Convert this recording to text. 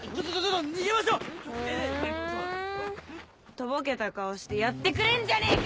とぼけた顔してやってくれんじゃねえか！